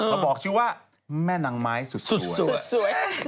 มาบอกชื่อว่าแม่นางไม้สุดสวย